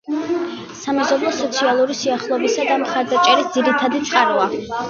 სამეზობლო სოციალური სიახლოვისა და მხარდაჭერის ძირითადი წყაროა.